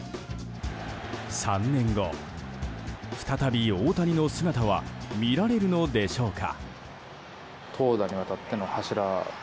３年後、再び大谷の姿は見られるのでしょうか。